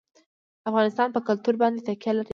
افغانستان په کلتور باندې تکیه لري.